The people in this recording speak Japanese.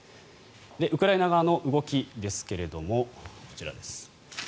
ウクライナ側の動きですがこちらです。